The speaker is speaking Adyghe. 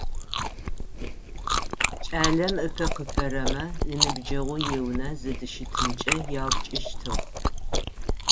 Кӏалэм ыпэ кифэрэмэ иныбджэгъу иунэ зыдыщытымкӏэ яупчӏыщтыгъ.